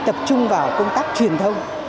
tập trung vào công tác truyền thông